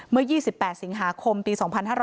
เมื่อ๒๘สิงหาคมปี๒๕๕๙